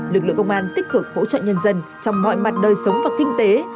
lực lượng công an tích cực hỗ trợ nhân dân trong mọi mặt đời sống và kinh tế